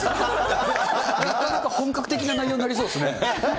なかなか本格的な内容になりそうですね。